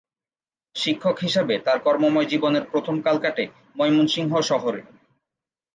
শিক্ষক হিসাবে তার কর্মময় জীবনের প্রথম কাল কাটে ময়মনসিংহ শহরে।